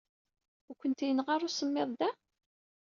Ur ken-yenɣi ara usemmiḍ da?